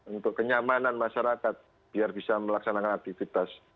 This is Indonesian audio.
untuk kenyamanan masyarakat biar bisa melaksanakan aktivitas